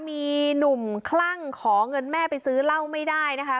มีหนุ่มคลั่งขอเงินแม่ไปซื้อเหล้าไม่ได้นะคะ